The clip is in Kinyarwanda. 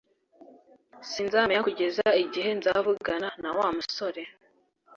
Sinzamenya kugeza igihe nzavugana na Wa musore